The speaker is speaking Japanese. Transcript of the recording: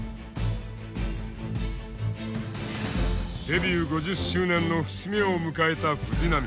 デビュー５０周年の節目を迎えた藤波。